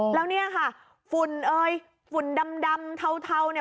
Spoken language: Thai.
แล้วเนี่ยค่ะฝุ่นเอ่ยฝุ่นดำเทาเนี่ย